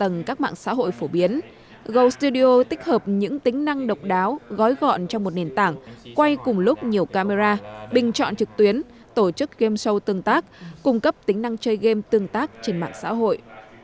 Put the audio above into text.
trong các mạng xã hội phổ biến goldstudio tích hợp những tính năng độc đáo gói gọn trong một nền tảng quay cùng lúc nhiều camera bình chọn trực tuyến tổ chức game show tương tác cung cấp tính năng chơi game tương tác trên mạng xã hội